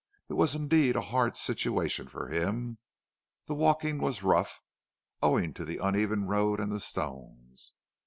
It was indeed a hard situation for him. The walking was rough, owing to the uneven road and the stones.